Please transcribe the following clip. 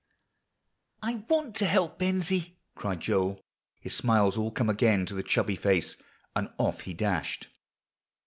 "I want to help Bensie," cried Joel; his smiles all come again to the chubby face, and off he dashed.